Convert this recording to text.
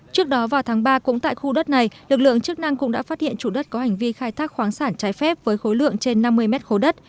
trước đó vào tháng ba cũng tại khu đất này lực lượng chức năng cũng đã phát hiện chủ đất có hành vi khai thác khoáng sản trái phép với khối lượng trên năm mươi mét khối đất